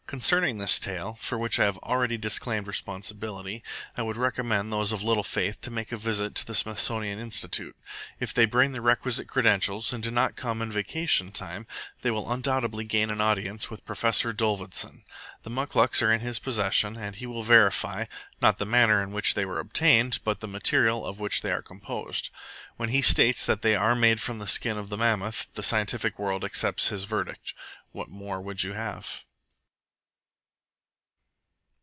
Concerning this tale, for which I have already disclaimed responsibility, I would recommend those of little faith to make a visit to the Smithsonian Institute. If they bring the requisite credentials and do not come in vacation time, they will undoubtedly gain an audience with Professor Dolvidson. The muclucs are in his possession, and he will verify, not the manner in which they were obtained, but the material of which they are composed. When he states that they are made from the skin of the mammoth, the scientific world accepts his verdict. What more would you have?